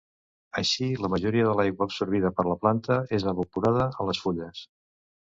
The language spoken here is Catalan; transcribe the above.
Així la majoria de l'aigua absorbida per la planta és evaporada a les fulles.